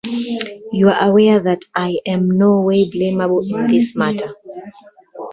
You are aware that I am no way blameable in this matter.